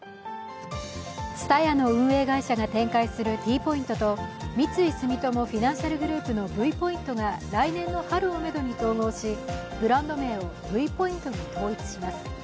ＴＳＵＴＡＹＡの運営会社が展開するＴポイントと三井住友フィナンシャルグループのＶポイントが来年の春をめどに統合し、ブランド名をＶポイントに統一します。